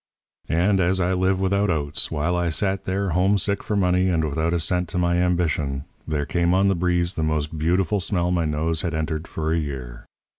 "And, as I live without oats, while I sat there, homesick for money and without a cent to my ambition, there came on the breeze the most beautiful smell my nose had entered for a year.